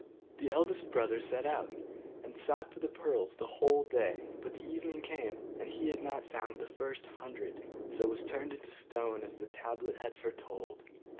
The eldest brother set out, and sought for the pearls the whole day: but the evening came, and he had not found the first hundred: so he was turned into stone as the tablet had foretold.